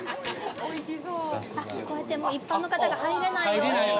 こうやってもう一般の方が入れないように。